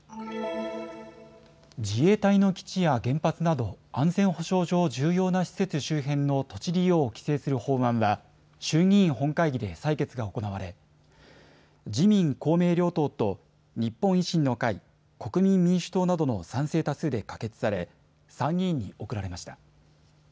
自衛隊の基地や原発など安全保障上重要な施設周辺の土地利用を規制する法案は衆議院本会議で採決が行われ自民公明両党と日本維新の会、国民民主党などの賛成多数で可決され参議院に送られました。